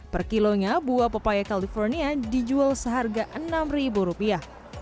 per kilonya buah pepaya california dijual seharga enam ribu rupiah